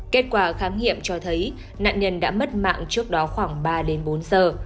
kết quả khám nghiệm cho thấy nạn nhân đã mất mạng trước đó khoảng ba đến bốn giờ